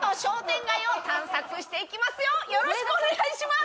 よろしくお願いします！